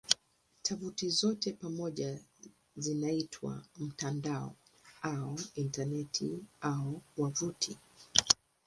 Tovuti zote pamoja zinaitwa "mtandao" au "Intaneti" au "wavuti".